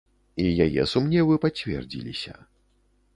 І яе сумневы пацвердзіліся.